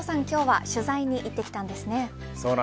今日は取材に行ってきたんですね。